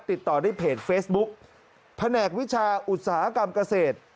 ติดต่อได้เพจเฟซบุ๊กแผนกวิชาอุตสาหกรรมเกษตร